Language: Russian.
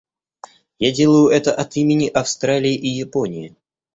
Я делаю это от имени Австралии и Японии.